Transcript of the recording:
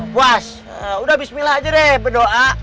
puas udah bismillah aja deh berdoa